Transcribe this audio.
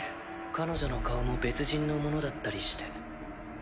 彼女の顔も別人のものだったりして。